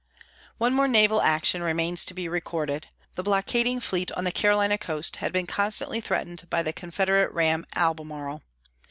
One more naval action remains to be recorded. The blockading fleet on the Carolina coast had been constantly threatened by the Confederate ram Albemarle.